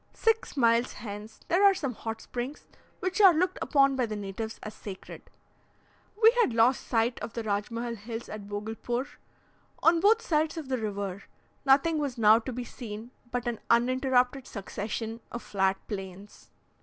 Six miles hence, there are some hot springs, which are looked upon by the natives as sacred. We had lost sight of the Rajmahal Hills at Bogulpore; on both sides of the river, nothing was now to be seen but an uninterrupted succession of flat plains.